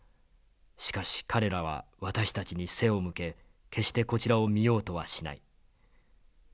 しかし彼らは私たちに背を向け決してこちらを見ようとはしない。